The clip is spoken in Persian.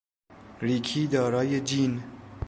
ریکی دارای جین